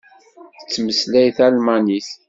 Tettmeslay talmanit.